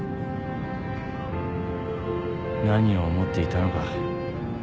何を思っていたのか。